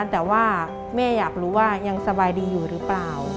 แต่ว่าแม่อยากรู้ว่ายังสบายดีอยู่หรือเปล่า